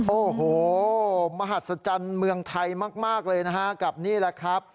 โอ้โหมหัศจรรย์เมืองไทยมากเลยนะฮะกับนี่แหละครับ